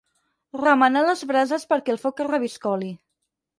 Remenar les brases perquè el foc reviscoli.